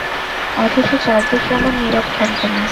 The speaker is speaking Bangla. অথচ চারদিক কেমন নীরব, থমথমে।